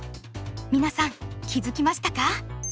皆さん気付きましたか？